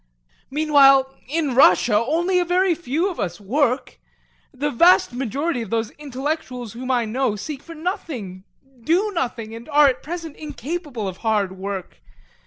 Meanwhile in Russia only a very few of us work. The vast majority of those intellectuals whom I know seek for nothing, do nothing, and are at present incapable of hard work.